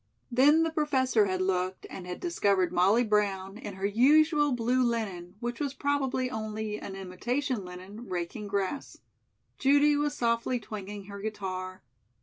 Then the Professor had looked and had discovered Molly Brown, in her usual blue linen which was probably only an imitation linen raking grass. Judy was softly twanging her guitar.